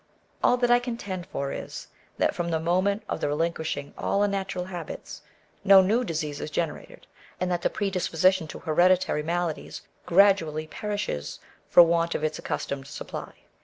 All that I contend for is, that from the moment of the relinquishing all un natural habits, no new disease is generated ; and that the predisposition to hereditary maladies gradually perishes for want of its accustomed supply.